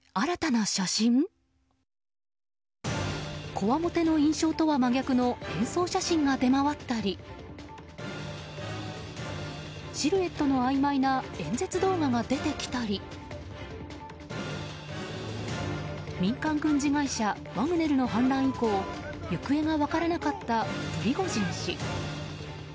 こわもての印象とは真逆の変装写真が出回ったりシルエットのあいまいな演説動画が出てきたり民間軍事会社ワグネルの反乱以降行方が分からなかったプリゴジン氏。